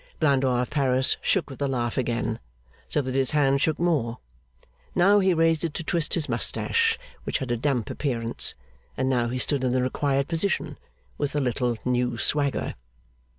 Blandois of Paris shook with a laugh again, so that his hand shook more; now he raised it to twist his moustache, which had a damp appearance; and now he stood in the required position, with a little new swagger.